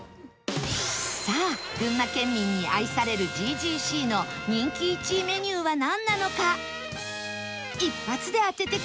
さあ群馬県民に愛される ＧＧＣ の人気１位メニューはなんなのか一発で当ててください！